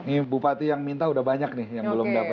ini bupati yang minta udah banyak nih yang belum dapat